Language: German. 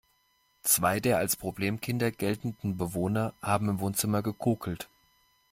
Zwei der als Problemkinder geltenden Bewohner haben im Wohnzimmer gekokelt.